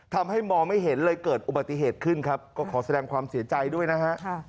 ทำให้มองไม่เห็นเลยเกิดอุบัติเหตุขึ้นครับก็ขอแสดงความเสียใจด้วยนะฮะ